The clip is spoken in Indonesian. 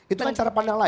itu kan cara pandang lain